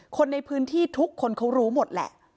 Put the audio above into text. คนในพื้นที่ทุกคนเขารู้หมดแหละ